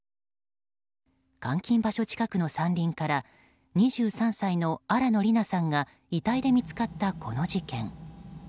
監禁場所近くの山林から２３歳の新野りなさんが遺体で見つかったこの事件。